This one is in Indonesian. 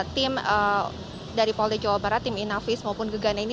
tim dari polda jawa barat tim inavis maupun gegana ini